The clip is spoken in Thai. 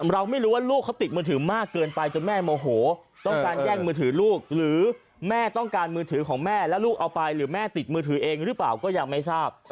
เราไม่รู้ว่าลูกเขาติดมือถือมากเกินไปจนแม่โมโหต้องการแย่งมือถือลูกหรือแม่ต้องการมือถือของแม่แล้วลูกเอาไปหรือแม่ติดมือถือเองหรือเปล่าก็ยังไม่ทราบ